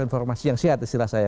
informasi yang sehat istilah saya